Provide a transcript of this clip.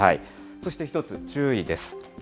そして一つ、注意です。